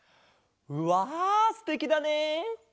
わすてきだね。